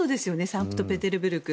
サンクトペテルブルク